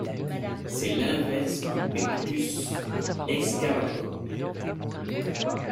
C'est l'inverse du Pectus Excavatum.